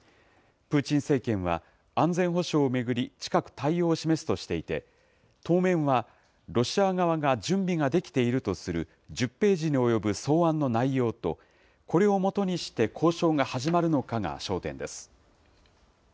プーチン政権は、安全保障を巡り、近く対応を示すとしていて、当面はロシア側が準備ができているとする、１０ページに及ぶ草案の内容と、これをもとにして、交渉が始まるのかが焦点です。